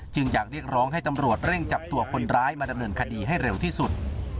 จึงอยากเรียกร้องให้ตำรวจเร่งจับตัวคนร้ายมาดำเนินคดีให้เร็วที่สุด